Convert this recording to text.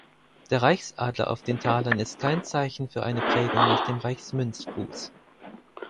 Der Reichsadler auf den Talern ist kein Zeichen für eine Prägung nach dem Reichsmünzfuss.